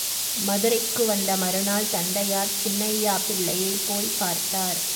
மதுரைக்கு வந்த மறுநாள் தந்தையார், சின்னையா பிள்ளையைப் போய்ப் பார்த்தார்.